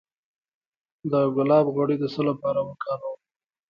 د ګلاب غوړي د څه لپاره وکاروم؟